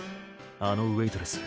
あのウエートレス